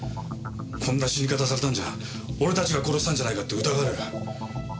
こんな死に方されたんじゃ俺たちが殺したんじゃないかって疑われる。